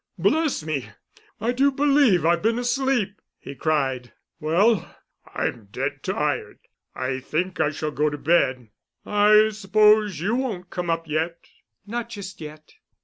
"Bless me, I do believe I've been asleep," he cried. "Well, I'm dead tired, I think I shall go to bed. I suppose you won't come up yet?" "Not just yet."